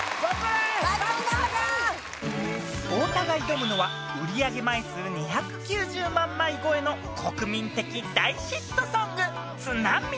太田が挑むのは売上枚数２９０万枚超えの国民的大ヒットソング「ＴＳＵＮＡＭＩ」